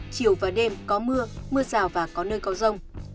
chiều và đêm có mưa mưa rào và có nơi có rông